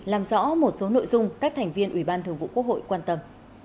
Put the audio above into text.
làm rõ một số nội dung các thành viên ủy ban thường vụ quốc hội quan tâm